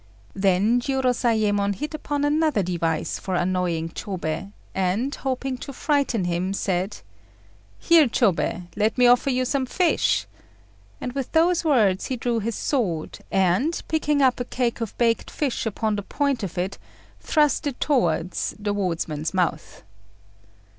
Then Jiurozayémon hit upon another device for annoying Chôbei, and, hoping to frighten him, said "Here, Chôbei, let me offer you some fish;" and with those words he drew his sword, and, picking up a cake of baked fish upon the point of it, thrust it towards the wardsman's mouth.